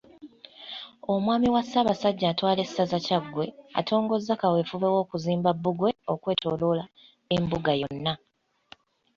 Omwami wa Ssaabasajja atwala essaza Kyaggwe, atongozza kaweefube w'okuzimba bbugwe okwetooloola Embuga yonna.